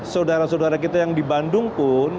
saudara saudara kita yang di bandung pun